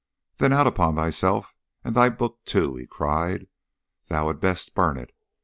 'Then out upon thyself and thy book too!' he cried. 'Thou hadst best burn it!